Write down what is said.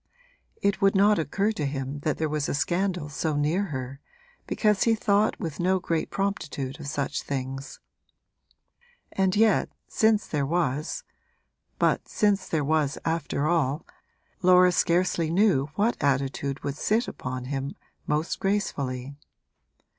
It would not occur to him that there was a scandal so near her, because he thought with no great promptitude of such things; and yet, since there was but since there was after all Laura scarcely knew what attitude would sit upon him most gracefully.